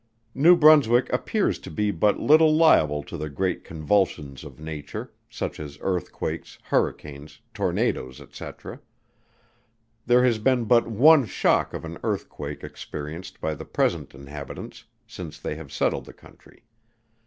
New Brunswick appears to be but little liable to the great convulsions of nature, such as earthquakes, hurricanes, tornadoes, &c. There has been but one shock of an earthquake experienced by the present inhabitants since they have settled the country.